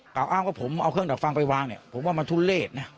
อ้างว่าผมเอาเครื่องดักฟังไปวางเนี่ยผมว่ามันทุเลศนะ